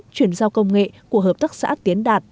chuyển giao công nghệ của hợp tác xã tiến đạt